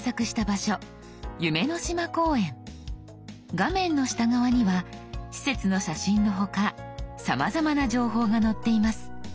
画面の下側には施設の写真の他さまざまな情報が載っています。